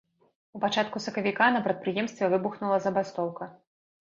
У пачатку сакавіка на прадпрыемстве выбухнула забастоўка.